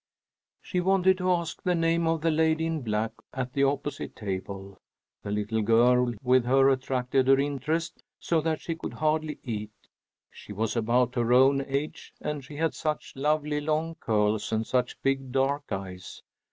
She wanted to ask the name of the lady in black at the opposite table. The little girl with her attracted her interest so that she could hardly eat. She was about her own age and she had such lovely long curls and such big dark eyes.